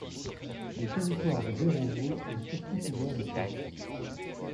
Le territoire de Berovo est surtout couvert de forêts.